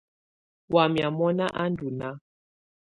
Wamɛ̀á mɔ̀na á ndù nàà.